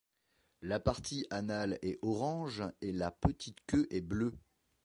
La partie anale est orange et la petite queue est bleue.